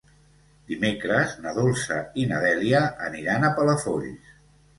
Dimecres na Dolça i na Dèlia aniran a Palafolls.